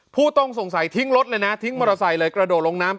ผู้ต้องสงสัยทิ้งรถเลยนะทิ้งมอเตอร์ไซค์เลยกระโดดลงน้ำ